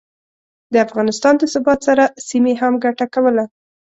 د افغانستان د ثبات سره، سیمې هم ګټه کوله